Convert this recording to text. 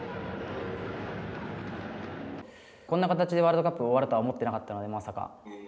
こんな形でワールドカップが終わるとは思ってなかったので、まさか。